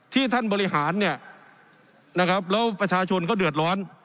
ท่านบริหารเนี่ยนะครับแล้วประชาชนเขาเดือดร้อน